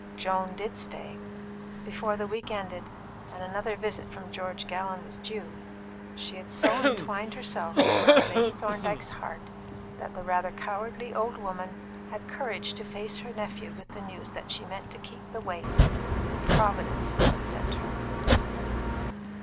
Joan did stay. Before the week ended, and another visit from George Gallon was due, she had so entwined herself round Lady Thorndyke's heart that the rather cowardly old woman had courage to face her nephew with the news that she meant to keep the waif whom "Providence had sent her."